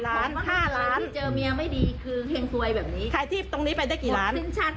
แห่งสวยแห่งสวยแอบนี้ตรงนี้ไปได้กี่ล้าน